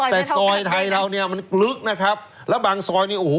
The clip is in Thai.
แต่ซอยไทยเราเนี่ยมันลึกนะครับแล้วบางซอยนี่โอ้โห